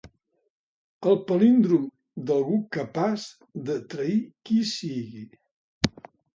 El palíndrom d'algú capaç de trair qui sigui.